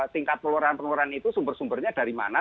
tingkat peluaran peluaran itu sumber sumbernya dari mana